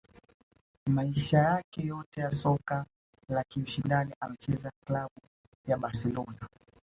Maisha yake yote ya soka la kiushindani ameichezea klabu ya Barcelona